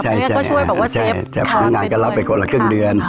ใช่ก็ช่วยแบบว่าเชฟเข้ามาไปด้วยใช่งานก็รับไปคนละครึ่งเดือน